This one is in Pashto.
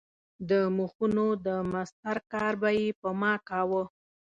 د مخونو د مسطر کار به یې په ما کاوه.